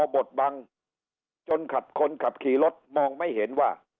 บทบังจนขับคนขับขี่รถมองไม่เห็นว่า